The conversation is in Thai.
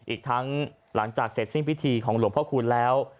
อีกทั้งหลังจากเสร็จสิ้นพิธีของหลวงพ่อคูณแล้ว